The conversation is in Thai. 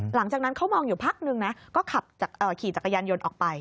หลังจากนั้นเขามองอยู่พักนึงนะก็ขับขี่จักรยานยนต์ออกไป